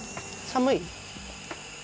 寒い。